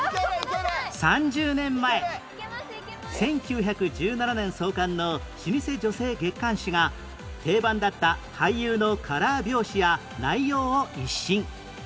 ３０年前１９１７年創刊の老舗女性月刊誌が定番だった俳優のカラー表紙や内容を一新